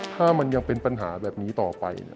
ถ้ามันยังเป็นปัญหาแบบนี้ต่อไป